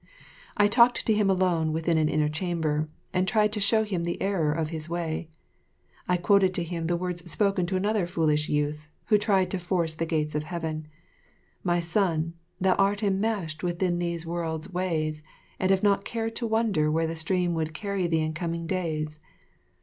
I talked to him alone within an inner chamber, and tried to show to him the error of his way. I quoted to him the words spoken to another foolish youth who tried to force the gates of Heaven: "My son, thou art enmeshed within these world's ways, and have not cared to wonder where the stream would carry thee in coming days.